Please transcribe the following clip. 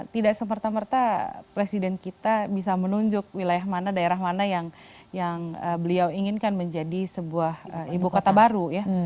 tidak semerta merta presiden kita bisa menunjuk wilayah mana daerah mana yang beliau inginkan menjadi sebuah ibu kota baru ya